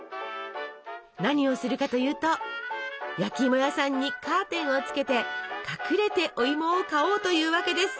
何をするかというと焼きいも屋さんにカーテンをつけて隠れておいもを買おうというわけです。